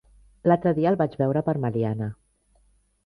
L'altre dia el vaig veure per Meliana.